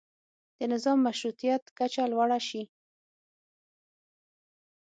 د نظام مشروطیت کچه لوړه شي.